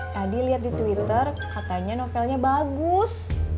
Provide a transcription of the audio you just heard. tadi lihat di twitter katanya novelnya bagus